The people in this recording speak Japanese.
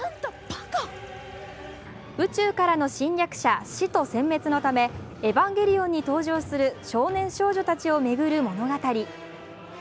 宇宙からの侵略者・使徒せん滅のためエヴァンゲリオンに搭乗する少年少女たちを巡る物語。